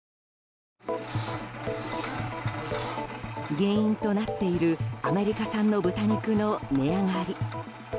原因となっているアメリカ産の豚肉の値上がり。